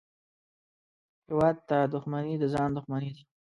هېواد ته دښمني د ځان دښمني ده